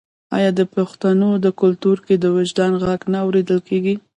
آیا د پښتنو په کلتور کې د وجدان غږ نه اوریدل کیږي؟